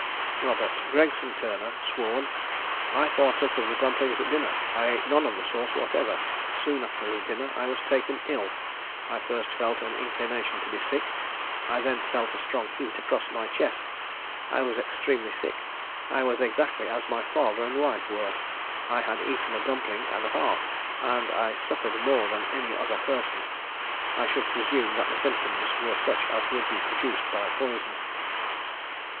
Robert Gregson Turner sworn. I partook of the dumplings at dinner; I ate none of the sauce whatever. Soon after dinner I was taken ill: I first felt an inclination to be sick; I then felt a strong heat across my chest. I was extremely sick; I was exactly as my father and wife were. I had eaten a dumpling and a half, and I suffered more than any other person. I should presume that the symptoms were such as would be produced by poison.